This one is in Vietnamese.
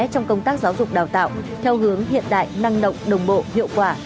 trong công tác giáo dục đào tạo theo hướng hiện đại năng động đồng bộ hiệu quả